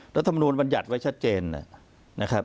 รัฐมนูลบัญญัติไว้ชัดเจนนะครับ